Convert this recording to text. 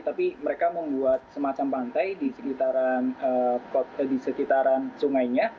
tapi mereka membuat semacam pantai di sekitaran sungainya